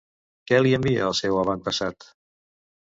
Què li envia al seu avantpassat?